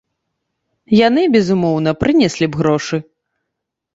Яны, безумоўна, прынеслі б грошы.